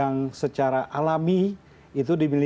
dan kita mungkin bisa mulai dari definisi ini ya